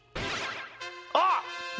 あっ！